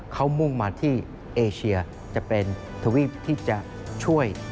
เขามุ่งมาที่เอเชียจะเป็นทวีปที่จะช่วย